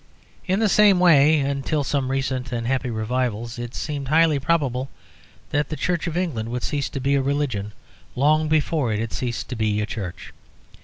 In the same way (until some recent and happy revivals) it seemed highly probable that the Church of England would cease to be a religion long before it had ceased to be a Church.